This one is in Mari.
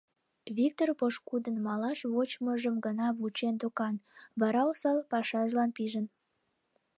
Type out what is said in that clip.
Виктыр пошкудын малаш вочмыжым гына вучен докан, вара осал пашажлан пижын.